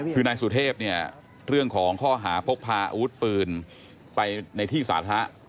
คือนายสุเทพเนี่ยเรื่องของข้อหาพกพาอาวุธปืนไปในที่สาธารณะ